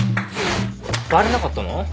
バレなかったの？